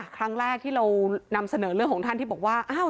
ครั้งแรกที่เรานำเสนอเรื่องของท่านที่บอกว่า